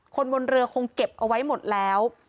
คนบนเรือคงเก็บเอาไว้หมดแล้ว